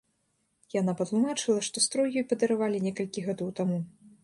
Яна патлумачыла, што строй ёй падаравалі некалькі гадоў таму.